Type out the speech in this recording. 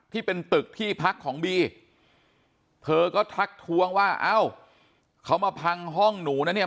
ที่เป็นตึกที่พักของบีเธอก็ทักทวงว่าเอ้าเขามาพังห้องหนูนะเนี่ย